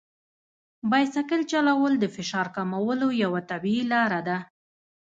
بایسکل چلول د فشار کمولو یوه طبیعي لار ده.